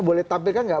boleh tampilkan nggak